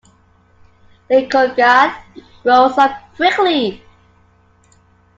Snegurka grows up quickly.